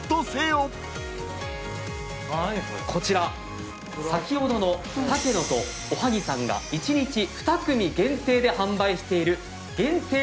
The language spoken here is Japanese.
こちら先ほどの「タケノとおはぎ」さんが１日２組限定で販売している限定